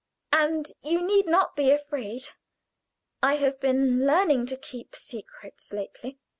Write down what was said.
And you need not be afraid. I have been learning to keep secrets lately.